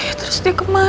ya terus dia ke mana